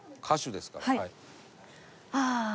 歌手ですから。